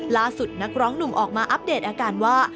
นักร้องหนุ่มออกมาอัปเดตอาการว่า